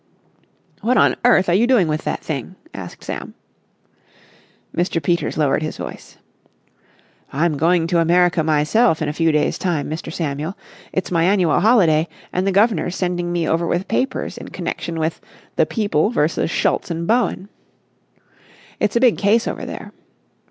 "What on earth are you doing with that thing?" asked Sam. Mr. Peters lowered his voice. "I'm going to America myself in a few days' time, Mr. Samuel. It's my annual holiday, and the guv'nor's sending me over with papers in connection with The People v. Schultz and Bowen. It's a big case over there.